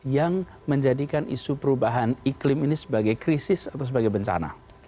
yang menjadikan isu perubahan iklim ini sebagai krisis atau sebagai bencana